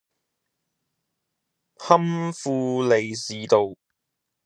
堪富利士道